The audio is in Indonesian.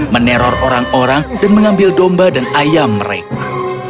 meneror orang orang dan mengambil domba dan ayam mereka